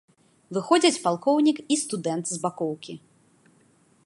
Выходзяць палкоўнік і студэнт з бакоўкі.